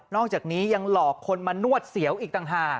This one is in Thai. อกจากนี้ยังหลอกคนมานวดเสียวอีกต่างหาก